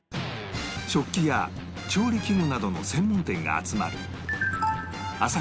食器や調理器具などの専門店が集まる